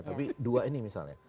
tapi dua ini misalnya